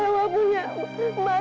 jawa punya mantu kaya roh